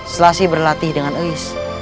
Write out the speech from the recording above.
selassie berlatih dengan uyis